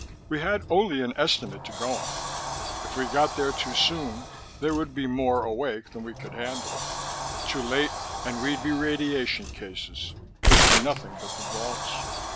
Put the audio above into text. We had only an estimate to go on. If we got there too soon, there would be more awake than we could handle. Too late and we'd be radiation cases, good for nothing but the vaults.